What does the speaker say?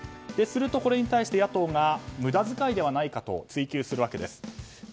そうすると、それに対して野党が無駄遣いではないかと追及するわけです。